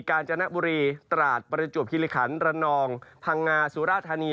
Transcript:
กาญจนบุรีตราดประจวบคิริขันระนองพังงาสุราธานี